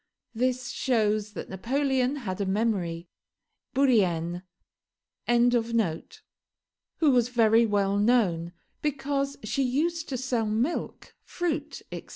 This shows that Napoleon had a memory. Bourrienne.] who was very well known, because she used to sell milk, fruit, etc.